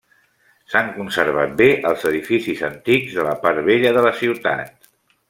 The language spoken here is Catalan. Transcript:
S'han conservat bé els edificis antics de la part vella de la ciutat.